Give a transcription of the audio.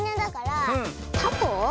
タコ？